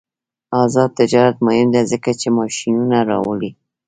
آزاد تجارت مهم دی ځکه چې ماشینونه راوړي.